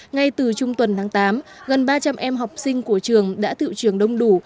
ngay từ trung tuần tháng tám gần ba trăm linh em học sinh của trường đã tự trường đông đủ